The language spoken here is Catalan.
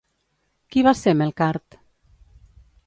Qui va ser Melcart?